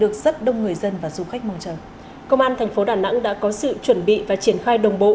công an thành phố đà nẵng đã có sự chuẩn bị và triển khai đồng bộ